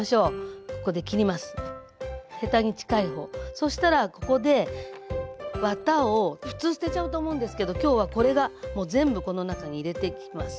そしたらここでワタを普通捨てちゃうと思うんですけど今日はこれがもう全部この中に入れていきます。